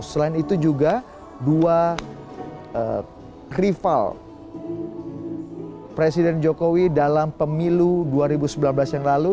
selain itu juga dua rival presiden jokowi dalam pemilu dua ribu sembilan belas yang lalu